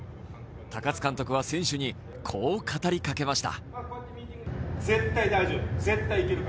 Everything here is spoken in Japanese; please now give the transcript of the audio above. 高津監督は選手に、こう語りかけました。